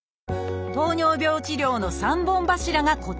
糖尿病治療の三本柱がこちら。